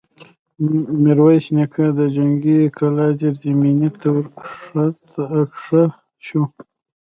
ميرويس نيکه د جنګي کلا زېرزميني ته ور کښه شو.